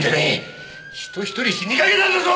人ひとり死にかけたんだぞ！